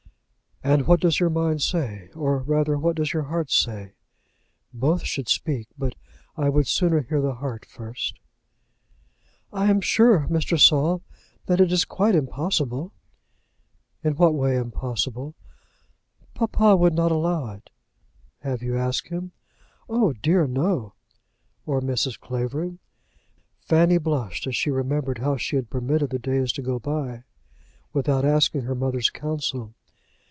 "And what does your mind say? Or rather what does your heart say? Both should speak, but I would sooner hear the heart first." "I am sure, Mr. Saul, that it is quite impossible." "In what way impossible?" "Papa would not allow it." "Have you asked him?" "Oh, dear, no." "Or Mrs. Clavering?" Fanny blushed as she remembered how she had permitted the days to go by without asking her mother's counsel.